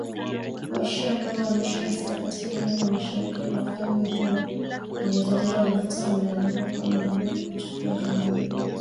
Wa shia ambao wanaishi hasa katika eneo la mashariki katika ufalme huo wenye utajiri wa mafuta, wamelalamika kwa muda mrefu kuchukuliwa kama raia